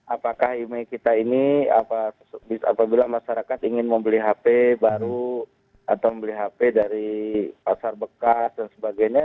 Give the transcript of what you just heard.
apakah email kita ini apabila masyarakat ingin membeli hp baru atau membeli hp dari pasar bekas dan sebagainya